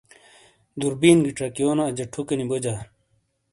دُوربِین گی چکیونو اَجا ٹھُوکینی بوجا۔